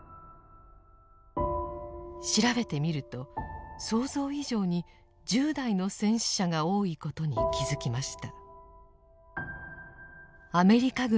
調べてみると想像以上に１０代の戦死者が多いことに気付きました。